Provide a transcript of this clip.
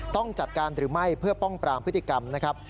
ต้องจัดการหรือไม่เพื่อป้องปรามพฤติกรรมนะครับ